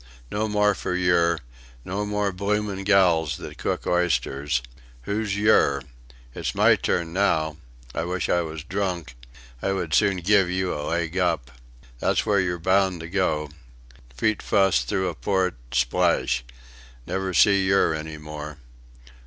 No more for yer... no more bloomin' gals that cook oysters... Who's yer? It's my turn now... I wish I was drunk; I would soon giv' you a leg up. That's where yer bound to go. Feet fust, through a port... Splash! Never see yer any more.